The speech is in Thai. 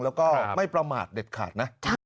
แล้วก็ไม่ประมาทเด็ดขาดนะ